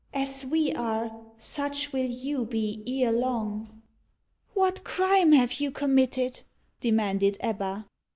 "As we are, such will you be ere long." "What crime have you committed?" demanded Ebba.